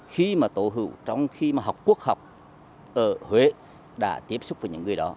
khi mà tổ hữu trong khi mà học quốc học ở huế đã tiếp xúc với những người đó